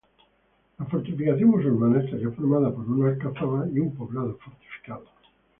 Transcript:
La fortificación musulmana estaría formada por una alcazaba y un poblado fortificado.